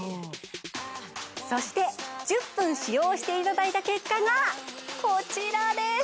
そして１０分使用していただいた結果がこちらです！